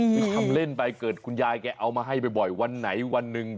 คือทำเล่นไปเกิดคุณยายแกเอามาให้บ่อยวันไหนวันหนึ่ง